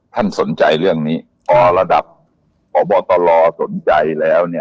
ท่านสนใจเรื่องนี้ฟรจริรฐรฟตรลอร์สนใจแล้วเนี่ย